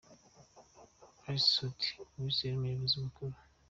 Ally Soudy Uwizeye: Umuyobozi Mukuru.